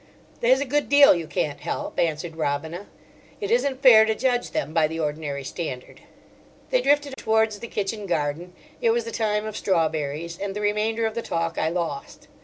"There's a good deal you can't help," answered Robina. "It isn't fair to judge them by the ordinary standard." They drifted towards the kitchen garden—it was the time of strawberries—and the remainder of the talk I lost.